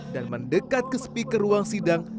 dan mendekat ke speaker ruang sidang